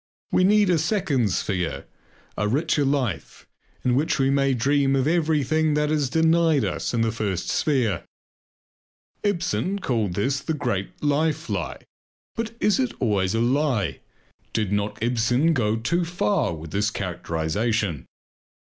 We need a second sphere, a richer life, in which we may dream of everything that is denied us in the first sphere. Ibsen called this "The Great Life Lie." But is it always a lie? Did not Ibsen go too far with this characterization?